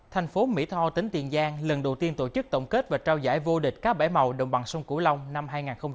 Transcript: thành phố mỹ tho tỉnh tiền giang lần đầu tiên tổ chức tổng kết và trao giải vô địch cá bảy màu đồng bằng sông cửu long năm hai nghìn hai mươi ba